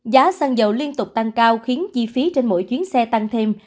giá xăng dầu liên tục tăng cao khiến chi phí trên mỗi chuyến xe tăng thêm